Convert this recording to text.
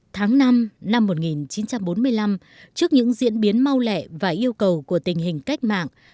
tháng năm năm một nghìn chín trăm bốn mươi năm trước những diễn biến mau lẻ và yêu cầu của tình hình cách mạng